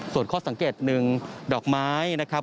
ส่วนข้อสังเกต๑ดอกไม้นะครับ